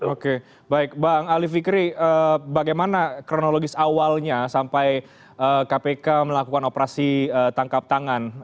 oke baik bang ali fikri bagaimana kronologis awalnya sampai kpk melakukan operasi tangkap tangan